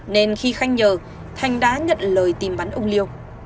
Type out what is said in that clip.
nên khi khanh nhờ thành đã nhận lời tìm bắn ông liêu